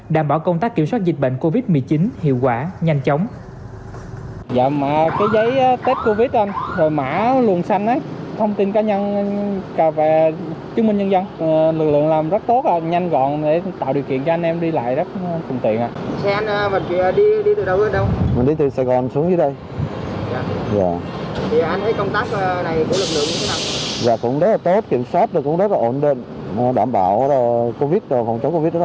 đảm bảo công tác kiểm soát dịch bệnh covid một mươi chín hiệu quả nhanh chóng